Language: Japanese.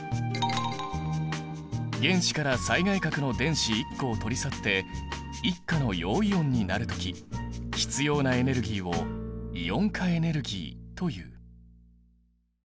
原子から最外殻の電子１個を取り去って１価の陽イオンになる時必要なエネルギーをイオン化エネルギーという。